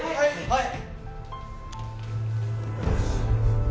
はい！